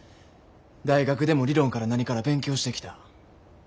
大学でも理論から何から勉強してきた。